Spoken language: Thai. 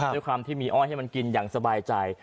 ด้วยความที่มีอ้อยให้มันกินอย่างสบายใจ